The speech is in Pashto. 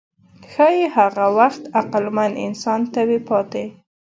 ښایي هغه وخت عقلمن انسان نه وي پاتې.